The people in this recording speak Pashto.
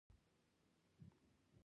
یاقوت د افغانستان د ځمکې د جوړښت نښه ده.